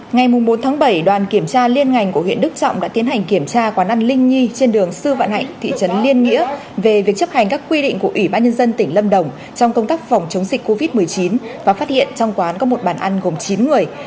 ngày bốn bảy đoàn kiểm tra liên ngành của huyện đức trọng đã tiến hành kiểm tra quán ăn linh nhi trên đường sư vạn hạnh thị trấn liên nghĩa về việc chấp hành các quy định của ủy ban nhân dân tỉnh lâm đồng trong công tác phòng chống dịch covid một mươi chín và phát hiện trong quán có một bàn ăn gồm chín người